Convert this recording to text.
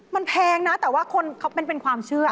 มันแพงนะแต่ว่าคนเขาเป็นความเชื่อ